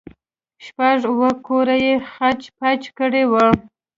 شپږ اوه کوره يې خچ پچ کړي وو.